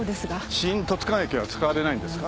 新十津川駅は使われないんですか？